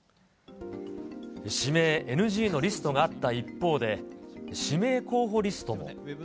指名ＮＧのリストがあった一方で、指名候補リストも。